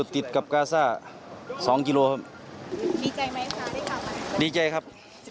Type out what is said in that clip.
ติดกับกาซ่า๒กิโลเมตรครับ